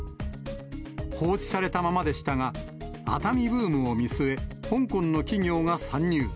放置されたままでしたが、熱海ブームを見据え、香港の企業が参入。